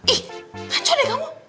ih ngancur deh kamu